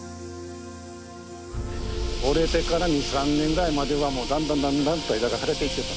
折れてから２３年ぐらいまではもうだんだんだんだんと枝が枯れてきてたんですよ。